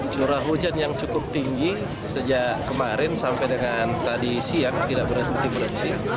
curah hujan yang cukup tinggi sejak kemarin sampai dengan tadi siang tidak berhenti berhenti